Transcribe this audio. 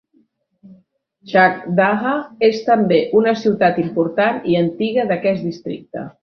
Chakdaha és també una ciutat important i antiga d'aquest districte.